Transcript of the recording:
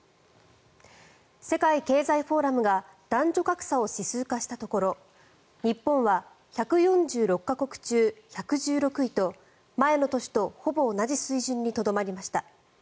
世界経済フォーラムが男女格差を指数化したところ日本は１４６か国中１１６位と前の年とほぼ同じ水準にとどまりました。